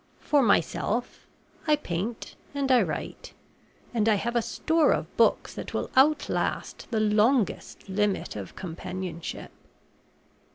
For myself, I paint and I write, and I have a store of books that will outlast the longest limit of companionship.